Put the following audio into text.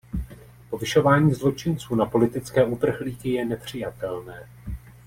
Povyšování zločinců na politické uprchlíky je nepřijatelné.